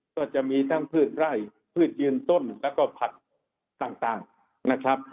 ก็จะมีทั้งพืชไร่พืชยืนต้นแล้วก็ผักต่างนะครับ